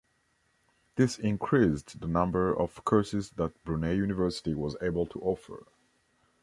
This increased the number of courses that Brunel University was able to offer.